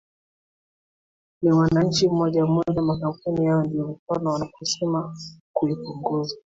ni wananchi mmoja mmoja na makampuni yao ndio kwa mfano wanaposema kuipunguza